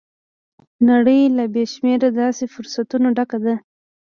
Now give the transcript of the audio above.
نړۍ له بې شمېره داسې فرصتونو ډکه ده.